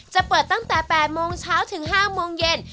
จะเปิดตั้งแต่๘โมงเช้าถึง๕โมงเย็น